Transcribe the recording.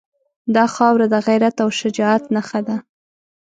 دا خاوره د غیرت او شجاعت نښه ده.